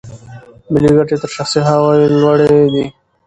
ملي ګټې تر شخصي هغو لوړې دي.